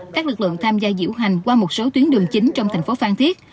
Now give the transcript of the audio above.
các lực lượng tham gia diễu hành qua một số tuyến đường chính trong thành phố phan thiết